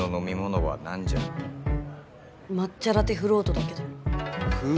抹茶ラテフロートだけど。